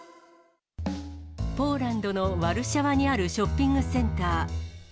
ポーランドのワルシャワにあるショッピングセンター。